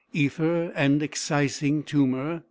Ether and excising tumour, $2.